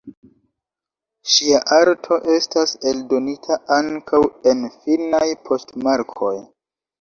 Ŝia arto estas eldonita ankaŭ en finnaj poŝtmarkoj.